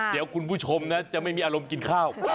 เดี๋ยวคุณผู้ชมนะจะไม่มีอารมณ์กินข้าว